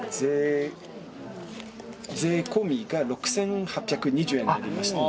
税込みが６，８２０円になります。